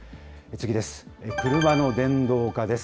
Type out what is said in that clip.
次です。